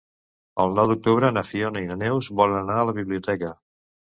El nou d'octubre na Fiona i na Neus volen anar a la biblioteca.